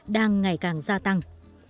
đang ngày càng gia tăng